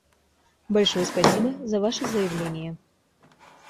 Большое спасибо за ваше заявление.